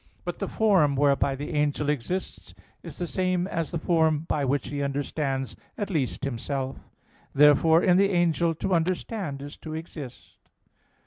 But the form whereby the angel exists is the same as the form by which he understands at least himself. Therefore in the angel to understand is to exist.